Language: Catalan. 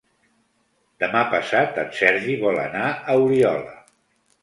Demà passat en Sergi vol anar a Oriola.